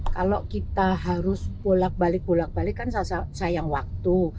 kalau kita harus bolak balik bolak balik kan sayang waktu